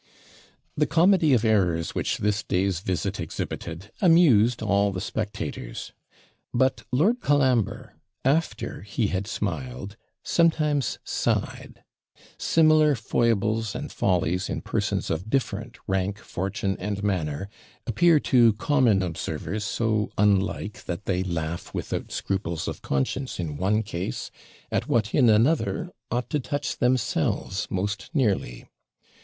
The comedy of errors, which this day's visit exhibited, amused all the spectators. But Lord Colambre, after he had smiled, sometimes sighed. Similar foibles and follies in persons of different rank, fortune, and manner, appear to common observers so unlike, that they laugh without scruples of conscience in one case, at what in another ought to touch themselves most nearly.